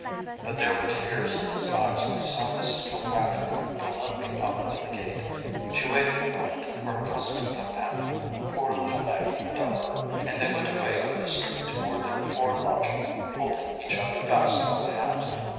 But there were tears in his eyes when he saw Mrs. Kilpatrick go limping out of the gate. She waited a moment for her constant companion, poor little Maggie the doffer, and they went away up the street toward their poor lodging holding each other fast by the hand.